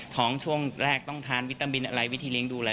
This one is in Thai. ของช่วงแรกต้องทานวิตามินอะไรวิธีเลี้ยงดูอะไร